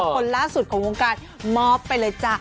คนล่าสุดของวงการมอบไปเลยจ้ะ